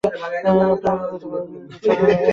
আপনাকে সরকার ডেকেছে?